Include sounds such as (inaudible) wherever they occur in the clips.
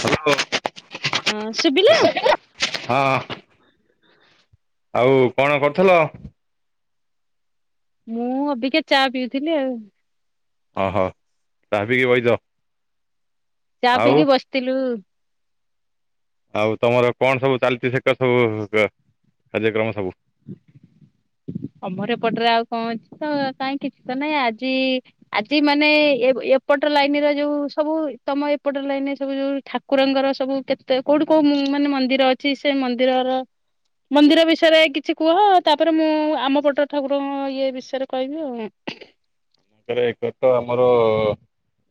Hello ହଁ ସୁବିଲା। (inaudible) ହଁ ଆଉ କଣକରୁଥିଲ? ମୁଁ ଅବିକା ଚା ପିଉଥିଲି ଆଉ। ଓହୋ, ଚା ପିଇକି ବଇଚ। ଚା ଆଉ ପିକି ବସିଥିଲୁ। ଆଉ ତମର କଣସବୁ ଚାଲିଛି ସେସବୁ, କାର୍ଯ୍ୟକ୍ରମ ସବୁ। (inaudible) ଅମର ପଟରେ ଆଉ କଣଅଛି ତ କାହିଁ କିଛି ତ ନାଇଁ, ଆଜି ଆଜି ମାନେ ଏପଟ ଲାଇନର ଯୋଉ ସବୁ, ତମ ଏପଟ ଲାଇନରେ ସବୁ ଯୋଉ ଠାକୁରଙ୍କର ସବୁ କେତେ କୋଉଠି କୋଉ ମାନେ ମନ୍ଦିର ଅଛି ସେ ମନ୍ଦିରର, ମନ୍ଦିର ବିଷୟରେ କିଛି କୁହ ତାପରେ ମୁଁ ଆମ ପଟରେ ଠାକୁରଙ୍କ ଇଏ ବିଷୟରେ କହିବି ଆଉ। ଆରେ ଏକତ ଆମର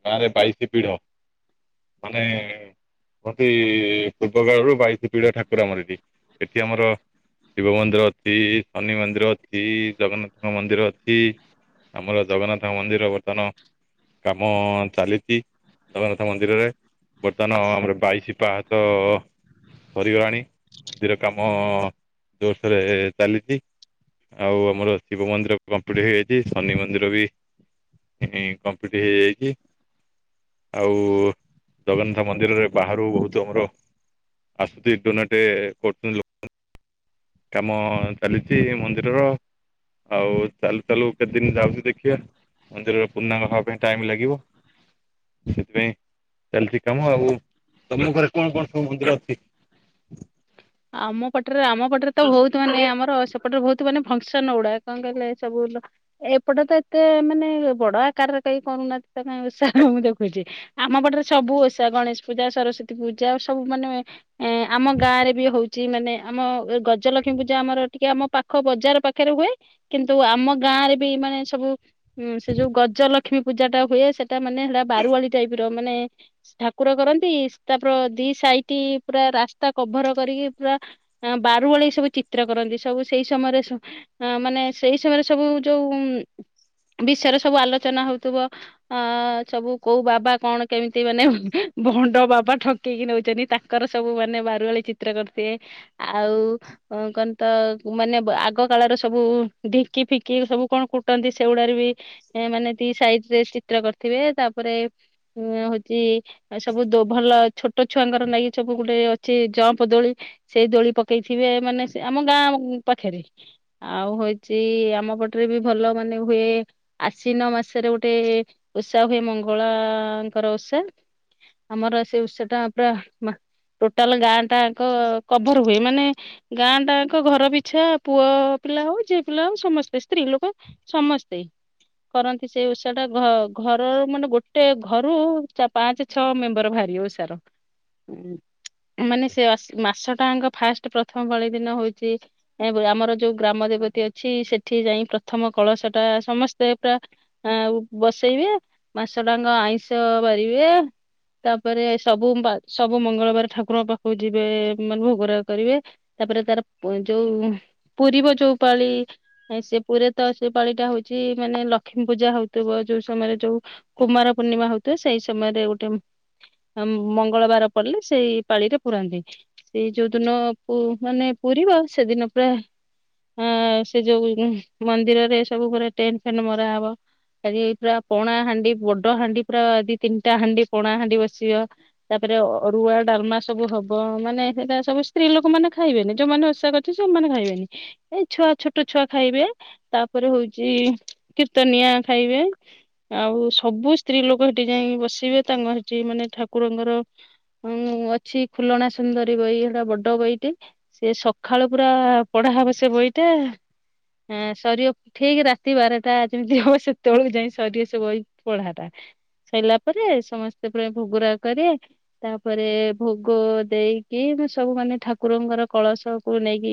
ଗାଁରେ ବାଇଶି ପିଢ। ମାନେ ହତି ପୂର୍ବକାଳରୁ ବାଇଶିପିିଢ଼ ଠାକୁରମର ଏଠି, ଏଠି ଆମର ଶିବମନ୍ଦିର ଅଛି ଶନିମନ୍ଦିର ଅଛି ଜଗନ୍ନାଥଙ୍କ ମନ୍ଦିର ଅଛି। ଆମର ଜଗନ୍ନାଥମନ୍ଦିର ବର୍ତ୍ତମାନ କାମ ଚାଲିଛି। ଜଗନ୍ନାଥମନ୍ଦିରରେ, ବର୍ତ୍ତମାନ ଆମର ବାଇଶି ପାହାଚ ସରିଗଲାଣି, ମନ୍ଦିରକାମ ଜୋରସୋରେ ଚାଲିଛି। ଆଉ ଆମର ଶିବମନ୍ଦିର କମ୍ପ୍ଲିଟ ହେଇଯାଇଛି ଶନି ମନ୍ଦିରବି କମ୍ପ୍ଲିଟ ହେଇଯାଇଛି। ଆଉ ଜଗନ୍ନାଥ ମନ୍ଦିରରେ ବାହାରୁ ବହୁତ ଆମର ଆସୁଛି ଡୋନେଟେ କରୁଛନ୍ତି ଲୋକ କାମ ଚାଲିଛି ମନ୍ଦିରର ଆଉ ଚାଲ ଚାଲୁ କେତେଦିନ ଯାଉଛି ଦେଖିବା। ମନ୍ଦିରରେ ପୂର୍ଣ୍ଣାଙ୍ଗ ହବା ପାଇଁ ଟାଇମ ଲାଗିବ। ସେଥିପାଇଁ ଚାଲିଛି କାମ ଆଉ ତମ ଘରେ କଣ କଣ ସବୁ ମନ୍ଦିର ଅଛି? (inaudible) ଆମ ପଟରେ ଆମ ପଟରେ ତ ବହୁତ ମାନେ ଆମର ଏପଟରେ ବହୁତ ମାନେ ଫଙ୍କସନ ଗୁଡା କଣ କହିଲେ ଏ ସବୁ ଏପଟେ ତ ଏତେ ମାନେ ବଡ ଆକାର କେ କରୁନାହାନ୍ତି ତା କାଇ ଓଷା ମୁଁ ଦେଖୁଛି ଆମ ପାଟରେ ସବୁ ଓଷା ଗଣେଶ ପୂଜା ସରସ୍ଵତୀ ପୂଜା ସବୁ ମାନେ ଏ ଆମ ଗାଁ ରେ ବି ହଉଛି। ମାନେ ଆମ ଗଜଲକ୍ଷ୍ମୀ ପୂଜା ଆମର ଟିକେ ଆମ ପାଖ ବଜାର ପାଖରେ ହୁଏ କିନ୍ତୁ ଆମ ଗାଁ ଗାଁରେ ବି ମାନେ ସବୁ ସେ ଯୋଉ ଗଜଲକ୍ଷ୍ମୀ ପୂଜା ଟା ହୁଏ ସେଟା ମାନେ ହେ ବାରୱୀ ଟାଇପ ମାନେ ଠାକୁର କରନ୍ତି ତାପ ଦି ସହିଟି ପୁରା ରାସ୍ତା କଭର କରିକି ପୁରା ବାରୁ ଓଳେଇ ସବୁ ଚିତ୍ର କରନ୍ତି ସବୁ ସେଇ ସମୟରେ ମାନେ ସେଇ ସମୟରେ ସବୁ ଯୋଉ ବିଷୟରେ ସବୁ ଆଲୋଚନା ହଉଥିବ ଅ ସବୁ କୋଉ ବାବା କଣ କେମିତି ସେ ମାନେ ଭଣ୍ଡ ବାବା ଠକେଇକି ନେଉଛନ୍ତି ତାଙ୍କର ସବୁ ମାନେ ବାରୁଆଳି ଚିତ୍ର କରି ସ ଆଉ କଣ ତ ମାନେ ଆଗ କାଳର ସବୁ ଢିଙ୍କି ଫିକି ସବୁ କଣ କୁଟନ୍ତି ସେଗୁଡା ବି ମାନେ ସାଇଜ ଚିତ୍ର କରିଥିବେ ତାପରେ ଉ ହଉଛି ସବୁ ଭଲ ଛୋଟ ଛୁଆଙ୍କର ନାଇି ସବୁ ଗୋଟେ ଅଛି ଜମ୍ପ ଦୋଳି ସେଇ ଦୋଳି ପକେଇଥିବେ ମାନେ ଆମ ଗାଁ ପାଖରେ ଆଉ ହଉଛି ଆମ ସେପଟରେ ବି ଭଲ ମାନେ ହୁଏ ଆଶନ ମାସରେ ଗୋଟେ ଓଷା ହୁଏ ମଙ୍ଗଳା ଙ୍କର ଉଷା ଆମର ସେ ଉଷା ଟା ପୁରା ମା ଟୋଟାଲ ଗାଁ ଟା କ କଭର ହୁଏ ମାନେ ଗାଁ ଟାଙ୍କ ଘର ପିଛା ପୁଅ ପିଲା ହଉ ଝିଅ ପିଲା ହଉ ସମ ସ୍ତେ ସ୍ତ୍ରୀ ଲୋକ ସମସ୍ତେ। କରନ୍ତି ସେଇ ଓଷା ଟା ଘ ଘର ମାନେ ଗୋଟେ ଘରୁ ଚ ପାଞ୍ଚ ଛଅ ମେମ୍ବର ବାହାର ଇ ଓଷା ର ମାନେ ସେ ମାସ ଟା ଯାଙ୍କ ଫାଷ୍ଟ ପ୍ରଥମ ବଳି ଦିନ ହଉଚି ଆମର ଯୋଉ ଗ୍ରାମ ଦେବତୀ ଅଛି ସେଠି ଯାଇ ପ୍ରଥମ କଳସ ଟା ସମସ୍ତେ ପୁରା ଆ ବସେଇବେ ମାସଡାଙ୍କ ଆଇଁ ଷ ବାରିବେ। ତାପରେ ସବୁ ସବୁ ମଙ୍ଗଳବାର ଠାକୁରଙ୍କ ପାଖକୁ ଯିବ ବେ, ମାନେ ଭୋଗରା କରିବେ ତାପରେ ତାର ଯୋଉ ପୁରିବ ଯୋଉ ପାଳି ସେ ପୁରେ ତ ସେ ପାଳି ଟା ହଉଚି ମାନେ ଲକ୍ଷ୍ମୀ ପୂଜା ହଉଥିବ ଯୋଉ ସମୟରେ ଯୋଉ କୁମାର ପୂର୍ଣ୍ଣିମା ହଉଥିବ ସେଇ ସମୟରେ ଗୋଟେ ମଙ୍ଗଳବାର ପଡିଲେ ସେଇ ପାଳିରେ ପୁରାନ୍ତି। ସେଇ ଯୋଉଦିନ ପୁ ମାନେ ପୁରୁରିବ ସେଦିନ ପୁରା ଅ ସେ ଯୋଉ ମନ୍ଦିରରେ ସବୁ ପୁରା ଟେଣ୍ ଫେନଟ୍ ମରାହବ। ଆଜି ପୁରା ପୋଣା ହାଣ୍ଡି ବଡ ହାଣ୍ଡି ପୁରା ଆ ଦି ତିନିଟା ହାଣ୍ଡି ପଣା ହାଣ୍ଡି ବସିବ ତାପରେ ଅରୁଆ ଡାଲମା ସବୁ ହବ। ହବ ମାନେ ସେଇଟା ସବୁ ସ୍ତ୍ରୀ ଲୋକ ମାନେ ଖାଇବେନି ଯୋଉମାନେ ଅସା କରିଛି ସେମାନେ ଖାଇବେନି ଏଇ ଛୁଆ ଛୋଟ ଛୁ ଛୁଆ ଖାଇବେ ତାପରେ ହଉଚି, କୀର୍ତ୍ତନିଆ ଖାଇବେ ଆଉ ସବୁ ସ୍ତ୍ରୀ ଲୋକ ସେଠି ଯାଇି ବସିବେ, ତାଙ୍କ ସେଠି ମାନେ ଠାକୁରଙ୍କର ଅଛି। ଖୁଲଣା ସୁନ୍ଦରୀ ବହି ସେଟା ବଡ ବହିଟି ସେ ସକାଳୁ ପୁରା ପଢା ହବ ସେ ବହିଟା। ହ ସରୀଅ ଠିକ ରାତି ବାରଟା ଯେମିତି ହବ ସେତେବେଳକୁ ଯାଇ ସରୀବ ସେ ବହି ପଢାଟା। ସରିଲା ପରେ ସମସ୍ତେ ପରା ଭୋଗୁରାଗ କରିବେ ତାପରେ ଭ ଗୋ ଦେଇକି ସବୁ ମାନେ ଠାକୁରଙ୍କର କଳସକୁ ନେଇକି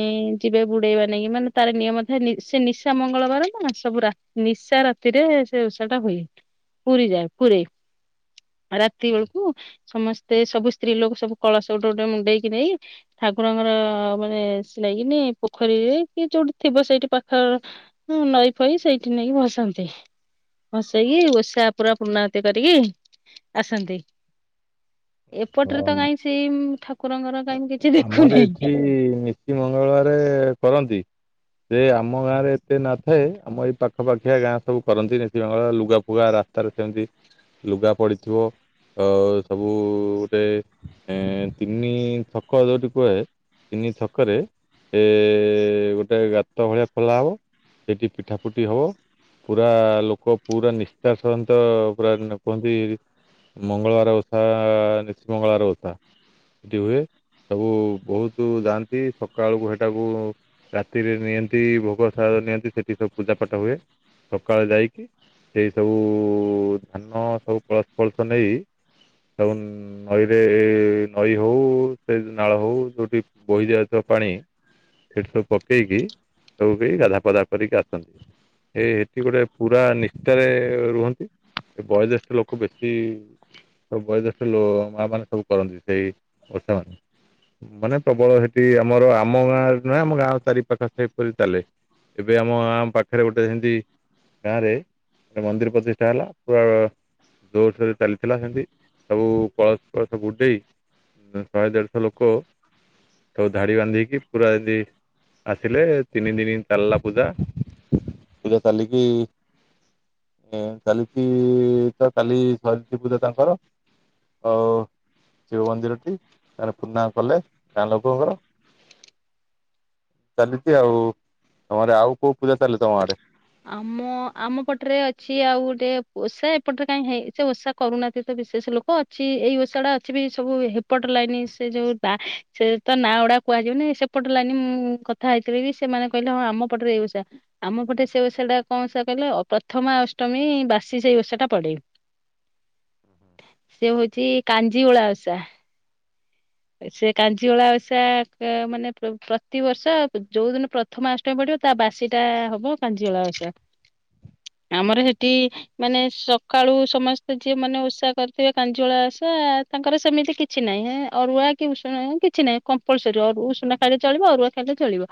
ଇ ଯିବେ ବୁଡେଇ ବା ମାନେ ତାର ନିୟମ ଥାଏ ନି ସେ ନିଶା ମଙ୍ଗଳବାର ନା ସବୁ ରା ନିଶା ରାତିରେ ସେ ଉଷା ଟା ହୁଏ ପୁରୀ ଯାଏ ପୁର ରାତି ବେଳକୁ ସମସ୍ତେ ସବୁ ସ୍ତ୍ରୀ ଲୋକ ସବୁ କଳସ ଗୁଟେ ଗୋଟେ ମୁଣ୍ଡେଇକି ନେଇ ଠାକୁରଙ୍କର ମାନେ ସିଲେଇକିନି ପୋଖରୀ କି ଯୋଉଠି ଥିବ ସେଇଠି ପାଖ ନଈ ଫଇ ସେଇଠି ନେଇକି ଭସାନ୍ତି । ଭସେଇକି ଓଷା ପୁରା ପୂର୍ଣ୍ଣାହୁତି କରିକି ଆସନ୍ତି । (inaudible) ଏପଟରେ ତ କାଇଁ ସେଇ ଠାକୁର ଆମର ଏଠି ନିତି ମଙ୍ଗଳବାରେ କରନ୍ତି । ଯେ ଆମ ଗାଁରେ ଏତେ ନ ଥାଏ ଆମ ଏଇ ପାଖ ପାାଖିଆ ଗାଁ ସବୁ କରନ୍ତି ନିତିଙ୍ଗଳା ଲୁଗା ଫୁଗା ରାସ୍ତା ରେ ଅଛନ୍ତି। ଲୁଗା ପଡିଥିବ ଅ ସବୁ ଗୋଟେ ଏ ତିନି ନି ଛକ ଯୋଉଠି କୁହେ ତିନି ଛକରେ ଏ ଗୋଟେ ଗାତ ଭଳିଆ ଖୋଳା ହବ । ସେଠି ପିଠାପୁଟି ହବ। ପୁରା ଲୋକ ପୁରା ନିଷ୍ଠା ସନହିତ ପୁରା କୁହନ୍ତି । ମଙ୍ଗଳବାର ଓଷା ନିଶା ମଙ୍ଗଳବାର ଓଷା ସେଠି ହୁଏ । ସବୁ ବହୁତ ଯାଆନ୍ତି, ସକାଳକୁ ସେଠାକୁ ରାତିରେ ନିଅନ୍ତି ଭୋଗ ସା ନିଅନ୍ତି ସେଠି ସବୁ ପୂଜା ପାଠ ହୁଏ, ସକାଳେ ଯାଇକି ସେଇ ସବୁ ଧାନ ସବୁ କଳସ ଫଳସ ନେଇ ଆଉ ନଇରେ ନଈ ହଉ ସେ ନାଳ ହଉ ଯୋଉଠି ବହି ଯାଇିଥିବା ପାଣି ସେଠି ସବୁ ପକେଇକି, ସବୁ କେହି ଗାଧା ପାଧା କରିକି ଆସନ୍ତି। ଏଇ ଏଠି ଗୋଟେ ପୁରା ନିଷ୍ଠାରେ ରୁହନ୍ତି । ଏ ବୟୋଜ୍ୟେଷ୍ଠ ଲୋକ ବେଶୀ ସବୁ ବୟୋଜ୍ୟେଷ୍ଠ ଲ ମା ମାନେ ସବୁ କରନ୍ତି। ସେଇ ଓଷା। ମାନେ ପ୍ରବଳ ସେଠି ଆମର ଆମ ଗାଁରେ ନୁହେଁ ଆମ ଗାଁ ଚାରି ପାାଖ ସେହିପରି ଚାଲେ। ଏବେ ଆମ ଆମ ପାଖରେ ଗୋଟେ ସେମିତି ଗାଁ ରେ ଗୋଟେ ମନ୍ଦିର ପ୍ରତିଷ୍ଠା ହେଲା ପୁରା ଜୋରସୋରରେ ଚାଲିଥିଲା ସେମିତି ସବୁ କଳସ ଫଳସସବୁ ବୁଡେଇ ଶହେ ଦେଢଶହ ଲୋକ ସବୁ ଧାଡି ବାନ୍ଧିକି ପୁରା ଯଦି ଆସିଲେ ତିନି ଦିନ ଚାଲିଲା ପୂଜା ପୂଜା ଚାଲିକି ଏ ଚାଲିଚି ତ କାଲି ସରିଚି ପୂଜା ତାଙ୍କର। ହଉ। ଶିବ ମନ୍ଦିରଟି ତା ପୂର୍ଣ୍ଣା କଲେ ଗାଁ ଲୋକଙ୍କର ଚାଲିଚି ଆଉ ଆମର କୋଉ ପୂଜା ଚାଲେ ତମ ଆଡେ? ଆମ ଆମ ପଟରେ ଅଛି ଆଉ ଗୋଟେ ଓଷା ଏପଟରେ କାଇହିଁ ହେଇ ସେ ଓଷା କରୁନାହାନ୍ତି ତ କି ସେ ସେ ଲୋକ ଅଛି ଏଇ ଓଷା ଟା ଅଛି ବି ସବୁ ହେପଟ ଲାଇନି ସେ ଯୋଉ ନା ସେ ତ ନା ଗୁଡା କୁହାଯିବନି ସେପଟ ଲାଇନି ମୁଁ କଥା ହେଇଥିବ କି ସେମାନେ କହିଲେ ହଁ ଆମ ପଟରେ ଏଇ ଓଷା ଆମ ପଟେ ସେ ଓଷାଟା କଣ ସା କହିଲେ ପ୍ରଥମା ଅଷ୍ଟମୀ ବାସି ସେଇ ଓଷାଟା ପଡେ । ସେ ହଉଚି କାଞ୍ଜିଓଳା ଓଷା। ସେ କାଞ୍ଜିଓଳା ଓଷା କା ଆ ମାନେ ପ୍ରତିବର୍ଷ ଯୋଉ ଦିନ ପ୍ରଥମ ଅଷ୍ଟମୀ ପଡିବ ତା ବାସିଟା ହବ କାଞ୍ଜିଓଳା ଓଷା। ଆମର ସେଠି ମାନେ ସକାଳୁ ସମସ୍ତେ ଯିଏ ମାନେ ଓଷା କରିଥିବେ କାଞ୍ଜିଓଳା ଓଷା ତାଙ୍କର ସେମିତି କିଛି ନାହିଁ ଏ ଅରୁଆ କି ଉଷୁନା କିଛି ନାଇଁ କମ୍ପଲସରୀ ଅ ଉଷୁନା ଖାଇଲେ ଚଳିବ ଅରୁଆ ଖାଇଲେ ଚଳିବ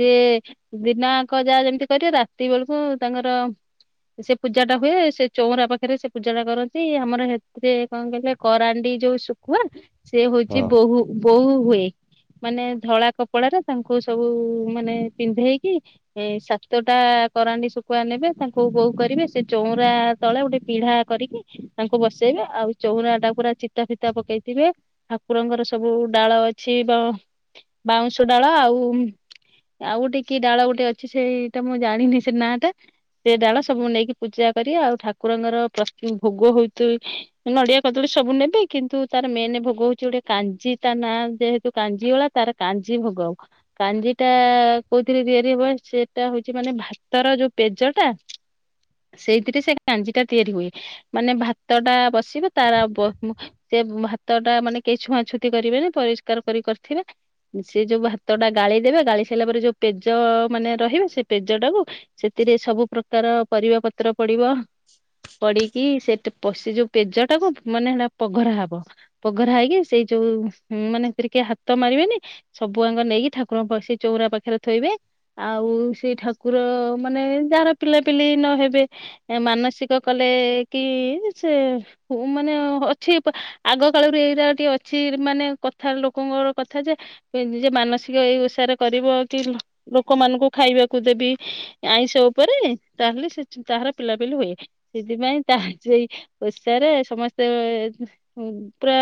ସେ ଦିନ ଯାକ ଯାହା ଯେମିତି କରିବେ ରାତି ବେଳକୁ ତାଙ୍କର ସେ ପୂଜା ଟା ହୁଏ ସେ ଚଉରା ପାଖରେ ସେ ପୂଜା ଟା କରନ୍ତି ଆମର ସେଥିରେ କଣ କହିଲେ କରାଣ୍ଡି ଯୋଉ ଶୁଖୁଆ ସେ ହଉଚି ହଁ। ବୋହୁ ବୋହୁ ହୁଏ । ମାନେ ଧଳା କପଡାରେ ତାଙ୍କୁ ସବୁ ମାନେ ପିନ୍ଧେଇକି ଏ ସାତୋଟା କରାଣ୍ଡି ଶୁଖୁଆ ନେବେ ତାଙ୍କୁ ବୋଉ କରିବେ ସେ ଚଉଁରା ତଳେ ଗୋଟେ ପିଢା କରିକି ତାଙ୍କୁ ବସେଇବେ ଆଉ ଚଉରାଟା ପୁରା ଚିତା ଫିତା ପକେଇଥିବେ ଠାକୁରଙ୍କର ସବୁ ଡାଳ ଅଛି ସେ ର ବାଉଁଶ ଡାଳ ଆଉ ଆଉ ଗୋଟେ କି ଡାଳ ଗୋଟେ ଅଛି ସେଇ ଟା ମୁଁ ଜାଣିନି ସେ ନାଁ ଟା। ସେ ଡାଳ ସବୁ ନେଇକି ପୂଜା କରି ଆଉ ଠାକୁରଙ୍କର ପ୍ରତି ଭୋଗ ହଉ ନଡିଆ କଦଳୀ ସବୁ ନେବେ କିନ୍ତୁ ତାର ମେନ ଭୋଗ ହଉଚି ଗୋଟେ କାଞଜି ତା ନା ଯେହେତୁ କାଞ୍ଜିଳା ତାର କାଞଜି ଭୋ ଗ କାଞ୍ଜି ଟା କୋଉଥିରେ ତିଆରି ହଏସେ ଟା ହଉଚି ମାନେ ଭାତର ଯୋଉ ପେଜ ଟା ସେଇଥିରେ ସେ କାଞ୍ଜି ଟା ତିଆରି ହୁଏ, ମାନେ ଭାତ ଟା ବସିବ ତାର ଆଉ ବ ଭାତ ଟା ମାନେ କେହି ଛୁଆଁ ଛୁତି କରିବେ ନା ପରିଷ୍କାର କରି କରିଥିବେ ସେ ଯୋଉ ଭାତ ଟା ଗାଳି ଦେେବେ ଗାଳି ସାରିଲା ପରେ ଯୋଉ ପେଜ ମାନେ ରହିବେ ସେ ପେଜ ଟାକୁ ସେଥିରେ ସବୁ ପ୍ରକାର ପରିବା ପତ୍ର ପଡିବ (inaudible) ପଡିକି ସେ ପଶି ଯୋଉ ପେଜ ଟାକୁ ମାନେ ହେଟା ପଘରା ହବ, ପଘରା ହେଇକି ସେଇ ଯୋଉ ହୁଁ ମାନେ ସେରିକେ ହାତ ମାରିବେନି ସବୁ ଆଙ୍ଗ ନେଇକି ଠାକୁରଙ୍କ ବ ସେ ଚଉରା ପାଖରେ ଥୋଇବେ ଆଉ ଆଉ ସେଇ ଠାକୁର ମାନେ ଯାହାର ପିଲାପିଲି ନ ହେବେ ମାନସିକ କଲେ କି ସେ ମାନେ ଅଛି ପ ଆଗ କାଳରୁ ଏଇଟା ଟିକେ ଅଛି ମାନେ କଥା ଲୋକଙ୍କର କଥା ଯେ ଯେ ନିଜ ମାନସିକ ଏଇ ଓଷାରେ କରିବ କି ଲୋକମାନଙ୍କୁ ଖାଇବାକୁ ଦେବି ଆଇଁଷ ଉପରେ ତାହେଲେ ସେ ତାହାର ପିଲାପିଲି ହୁଏ ସେଥିପାଇଁ ସେଇ ଓଷାରେ ସମସ୍ତେ ପୁରା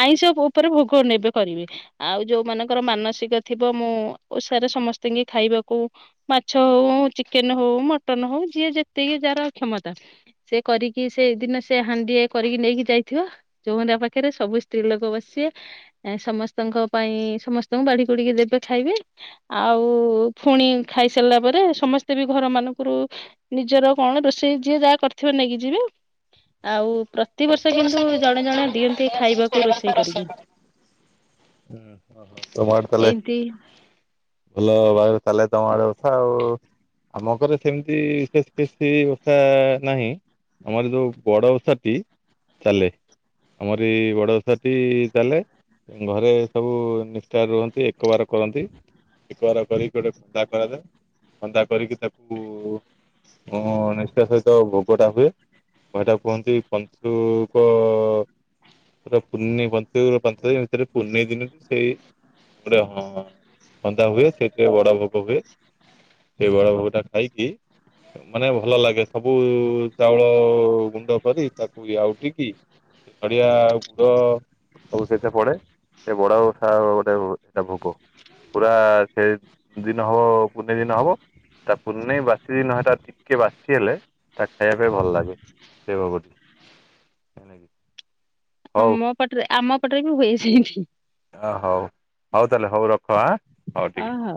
ଆଇଁଷ ଉପରେ ଭୋଗ ନେବେ କରିବି ଆଉ ଯୋଉ ମଙ୍କର ମାନସିକ ଥିବ ମୁଁ ଓଷାରେ ସମସ୍ତଙ୍କ ଖାଇବାକୁ ମାଛ ହଉ ଚିକେନ ହଉ ମଟନ ହଉ ଯିଏ ଯେତିକି ଯାହାର କ୍ଷମତା ସେ କରିକି କି ସେଇ ଦିନ ସେ ହାଣ୍ଡିଏ କରିକି ନେଇକି ଯାଇଥିବ, ଚଉଁରା ପାଖରେ ସବୁ ସ୍ତ୍ରୀ ଲୋକ ବସିବେ ଏ ସମସ୍ତଙ୍କ ପାଇଁ ସମସ୍ତଙ୍କୁ ବାଡି ଗୋଡିକି ଦେବେ ଖାଇବେ ଆଉ ଫୁଣି ଖାଇ ସାରିଲା ପରେ ସମସ୍ତେ ବି ଘର ମାନଙ୍କରୁ ନିଜର କଣ ରୋଷେଇ ଯିଏ ଯାହା କରିଥିବେ ନେଇକି ଯିବେ ଆଉ ପ୍ରତିବର୍ଷ କିନ୍ତୁ ଜଣେ ଜଣେ ଦିଅନ୍ତି ଖାଇବାକୁ ରୋଷେଇ କରିକି ଓ ହୋ ତମଠ କହଲେ ଏମିତି ଭଲ ଆଉ ତାହଲେ ତମ ଆଡେ ଓଷା ଆଉ ଆମ ଘରେ ସେମିତି ବିଶେଷ କିଛି ଓଷା ନାହିଁ ଆମର ଯୋଉ ବଡ଼ ଓସାଟି ଚାଲେ ଆମର ଏଇ ବଡ ଓସା ଟି ଚାଲେ ଘରେ ସବୁ ନିଷ୍ଠାରେ ରୁହନ୍ତି ଏକବାର କରନ୍ତି। ଏକବାର କରିକି ଗୋଟେ ଖନ୍ଦା କରଯାଏ। ଖନ୍ଦା କରିକି ତାକୁ ହ ନିଷ୍ଠା ସହିତ ଭୋଗ ଟା ହୁଏ। ହେଟା କୁହନ୍ତି ପଞ୍ଚୁକ ପୁରା ପୂର୍ ପ ପଞ୍ଚ ଦିନ ଭିତରେ ପୂର୍ଣ୍ଣି ଦିନ ସେଇ ଗଟେ ହଁ ବଧା ହୁଏ ସେଥି ବଡ ଭୋଗ ହୁଏ। ସେ ବଡ ଭୋଗ ଟା ଖାଇକି ମାନେ ଭଲ ଲାଗେ ସବୁ ଚାଉଳ ଗୁଣ୍ଡ କରି ତାକୁ ଆଉ ଟିକି ନଡିଆ ଗୁଡ ସବୁ ସେଥିରେ ପଡେ। ଏ ବଡ ଓସା ଗୋଟେ ଏଟା ଭୋଗ। ପୁରା ସେ ଦିନ ହବ ପୁନି ଦିନ ହବ। ତା ପୁର୍ନେଇ ବାସିଦିନ ହେଟା ଟିକେ ବାସି ହେଲେ ତା ଖାଇବା ପାଇଁ ଭଲ ଲାଗେ। ସେ ଭୋଗଟି ହେଲାକି ହଁ ମୋ ପଟରେ ଆମ ପଟରେ ବି ହୁଏ ସେମତି ଅ ହଉ ହଉ ତାହେଲେ ହଉ ରଖ ଆ ଅ ହଉ।